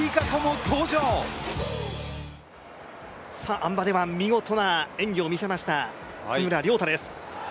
あん馬では見事な演技をみせました津村涼太です。